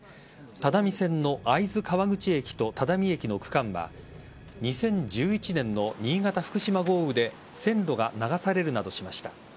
只見線の会津川口駅と只見駅の区間は２０１１年の新潟・福島豪雨で線路が流されるなどしました。